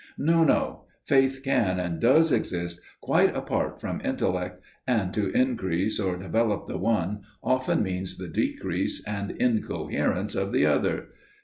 No, no; faith can and does exist quite apart from intellect; and to increase or develop the one often means the decrease and incoherence of the other.